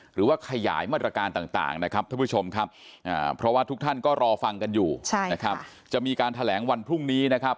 หรือว่าขยายมาตรการต่างนะครับท่านผู้ชมครับเพราะว่าทุกท่านก็รอฟังกันอยู่นะครับจะมีการแถลงวันพรุ่งนี้นะครับ